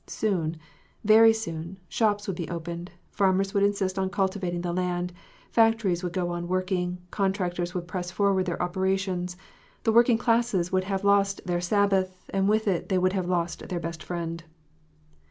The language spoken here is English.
Soon, very soon, shops would be opened ; farmers would insist on cultivating the land ; factories would go on working ; contractors would press forward their operations. The working classes would have lost their Sabbath, and with it they would have lost their best friend.